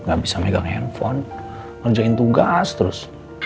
gak bisa megang handphone nunjukin tugas terus